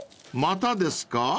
またですか？］